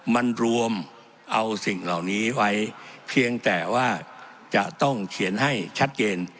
มันรวมเอาสิ่งเหล่านี้ไว้เพียงแต่ว่าจะต้องเขียนให้ชัดเจน